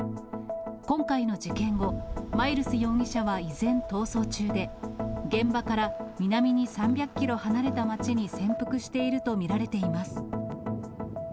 今回の事件後、マイルス容疑者は依然逃走中で、現場から南に３００キロ離れた街に潜伏していると見られています。